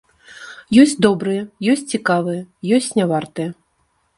Ёсць добрыя, ёсць цікавыя, ёсць не вартыя.